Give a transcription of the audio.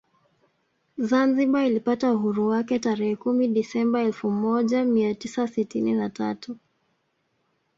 Zanzibar ilipata uhuru wake tarehe kumi Desemba elfu moja mia tisa sitini na tatu